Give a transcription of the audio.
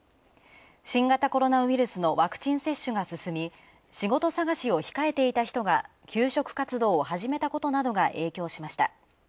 新型コロナウイルスのワクチン接種が進み仕事探しを控えていた人が求職活動を始めたことなどが影響しました。